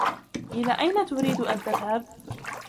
إلى أين تريد أن تذهب ؟